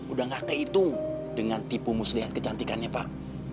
udah gak kehitung dengan tipu muslihat kecantikannya pak